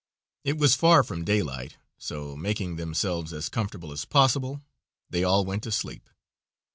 It was far from daylight, so, making themselves as comfortable as possible, they all went to sleep.